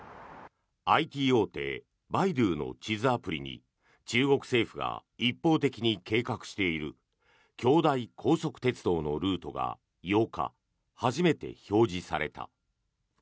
ＩＴ大手バイドゥの地図アプリに中国政府が一方的に計画している京台高速鉄道のルートが８日、初めて表示された。